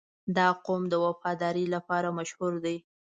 • دا قوم د وفادارۍ لپاره مشهور دی.